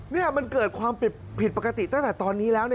นี่มันเกิดความผิดปกติตั้งแต่ตอนนี้แล้ว